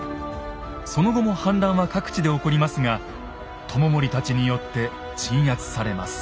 その後も反乱は各地で起こりますが知盛たちによって鎮圧されます。